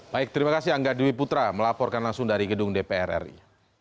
baik terima kasih angga dwi putra melaporkan langsung dari gedung dpr ri